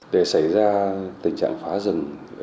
để xảy ra tình trạng phá rừng ở trên